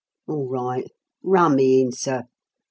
All right, run me in, sir.